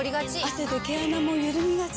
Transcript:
汗で毛穴もゆるみがち。